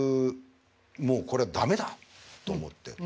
もうこれ駄目だと思って。